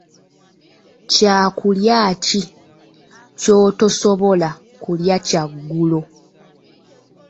Kyakulya ki ky'otosobola kulya kyaggulo?